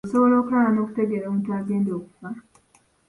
Osobola okulaba n'okutegeera omuntu agenda okufa.